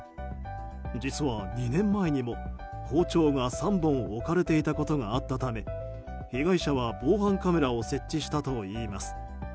実は２年前にも、包丁が３本置かれていたことがあったため被害者は防犯カメラを設置したといいます。